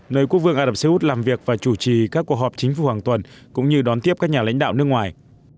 nơi quốc vương ả rập xê út làm việc và chủ trì các cuộc họp chính phủ hàng tuần cũng như đón tiếp các nhà lãnh đạo nước ngoài